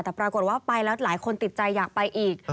แต่ปรากฏว่าไปแล้วหลายคนติดใจอยากไปอีก